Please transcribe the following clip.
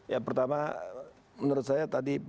ya pertama menurut saya tadi